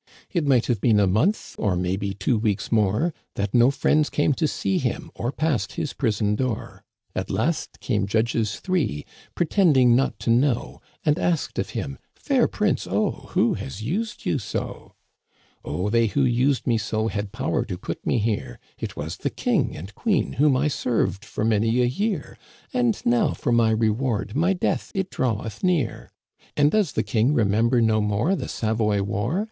It might have been a month, or may be two weeks more, That no friends came to see him or passed his prison door ; At last came judges three, pretending not to know, And asked of him, * Fair prince, oh, who has used you so ?'"' Oh, they who used me so had power to put me here ; It was the king and queen, whom I served for many a year j And now for my reward my death it draweth near !"* And does the king remember no more the Savoy War ?